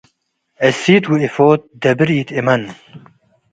እሲት ወእፎት-ደብር ኢትእመን።